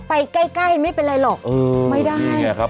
ไปใกล้ใกล้ไม่เป็นไรหรอกเออไม่ได้นี่ไงครับ